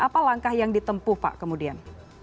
apa langkah yang ditempuh pak kemudian